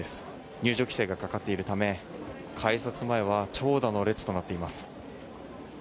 入場規制がかかっているため改札前は長蛇の列となっています。